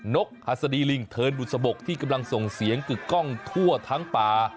นกฮัศดีลิงเทินบุษบกที่กำลังส่งเสียงกึกกล้องทั่วทั้งป่า